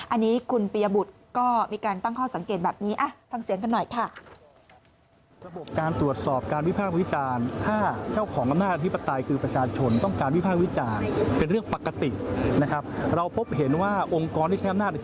อันนี้คุณปียบุตรก็มีการตั้งข้อสังเกตแบบนี้